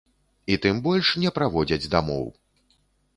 І тым больш, не праводзяць дамоў!